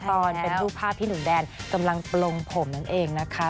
ตอนเป็นรูปภาพที่หนุ่มแดนกำลังปลงผมนั่นเองนะคะ